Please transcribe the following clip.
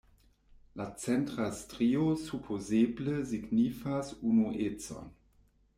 La centra strio supozeble signifas unuecon.